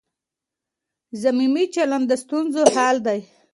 صميمي چلند د ستونزو حل دی.